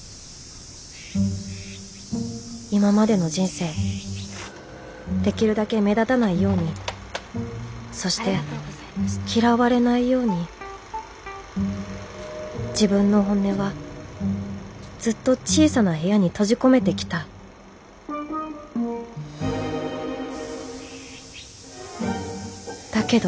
今までの人生できるだけ目立たないようにそして嫌われないように自分の本音はずっと小さな部屋に閉じ込めてきただけど